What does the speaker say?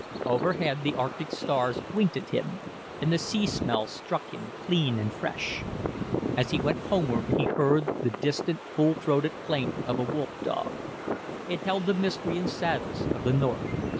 Overhead the arctic stars winked at him, and the sea smells struck him, clean and fresh. As he went homeward he heard the distant, full throated plaint of a wolf dog. It held the mystery and sadness of the North.